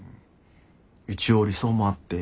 一応理想もあって。